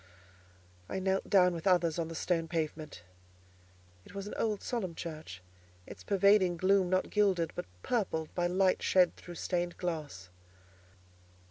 I knelt down with others on the stone pavement. It was an old solemn church, its pervading gloom not gilded but purpled by light shed through stained glass.